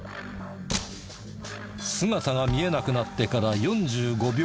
姿が見えなくなってから４５秒後。